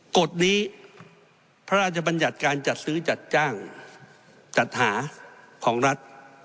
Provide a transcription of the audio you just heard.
กฎนี้พระราชบัญญัติการจัดซื้อจัดจ้างจัดหาของรัฐ